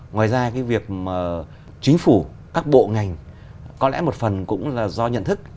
ngoài ra cái việc mà chính phủ các bộ ngành có lẽ một phần cũng là do nhận thức